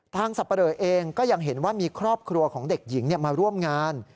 สับปะเลอเองก็ยังเห็นว่ามีครอบครัวของเด็กหญิงมาร่วมงาน